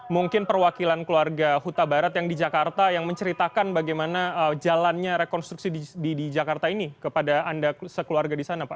mungkin perwakilan keluarga huta barat yang di jakarta yang menceritakan bagaimana jalannya rekonstruksi di jakarta ini kepada anda sekeluarga di sana pak